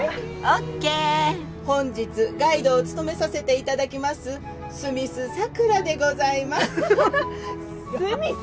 本日ガイドを務めさせていただきますスミス桜でございます。